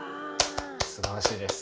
すばらしいです。